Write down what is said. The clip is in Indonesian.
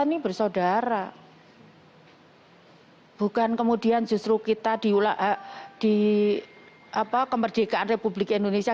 ini bersaudara bukan kemudian justru kita diulak di apa kemerdekaan republik indonesia